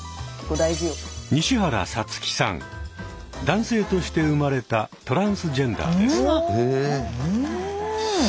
男性として生まれたトランスジェンダーです。